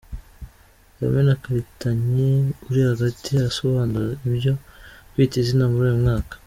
Yamina Karitanyi uri hagati arasobanura ibyo Kwita Izina muri uyu mwaka.